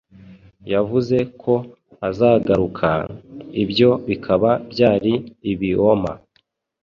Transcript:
Yavuze ko azagaruka, ibyo bikaba byari ibioma.